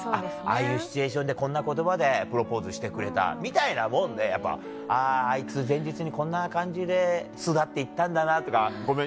ああいうシチュエーションでこんな言葉でプロポーズしてくれたみたいなもんでやっぱあぁあいつ前日にこんな感じで巣立って行ったんだなとかごめん